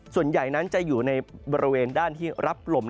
ส่วนใหญ่นั้นจะอยู่ในบริเวณด้านที่รับลม